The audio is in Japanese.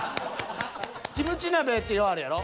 キムチ鍋ってようあるやろ。